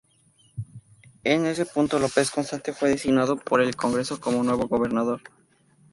En ese punto, López Constante fue designado por el Congreso como nuevo gobernador.